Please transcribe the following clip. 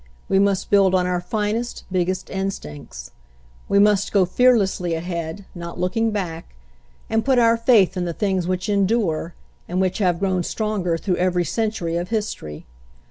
We must build on our finest, big gest instincts. We must go fearlessly ahead, not looking back, and put our faith in the things which endure, and which have grown stronger through every century of history.